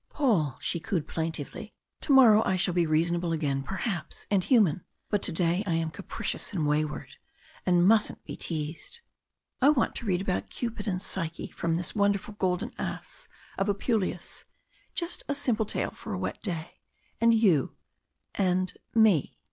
"Paul," she cooed plaintively, "to morrow I shall be reasonable again, perhaps, and human, but to day I am capricious and wayward, and mustn't be teased. I want to read about Cupid and Psyche from this wonderful 'Golden Ass' of Apuleius just a simple tale for a wet day and you and me!"